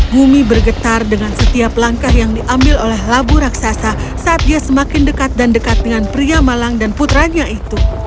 bumi bergetar dengan setiap langkah yang diambil oleh labu raksasa saat dia semakin dekat dan dekat dengan pria malang dan putranya itu